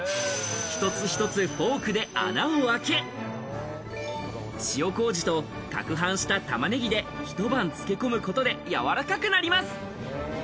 一つ一つフォークで穴を開け、塩こうじと攪拌した玉ねぎで一晩漬け込むことで柔らかくなります。